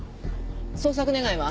捜索願は？